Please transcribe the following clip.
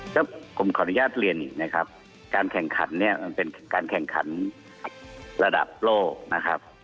ก็ผมขออนุญาตเรียนอีกนะครับการแข่งขันเนี่ยมันเป็นการแข่งขันระดับโลกนะครับ